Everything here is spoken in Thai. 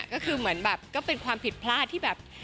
ก็คือเหมือนแบบก็เป็นความผิดพลาดที่แบบ